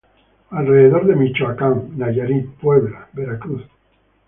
Alrededor de Michoacán, Nayarit, Puebla, Veracruz.